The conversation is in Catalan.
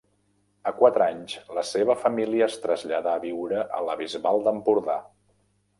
A quatre anys, la seva família es traslladà a viure a la Bisbal d'Empordà.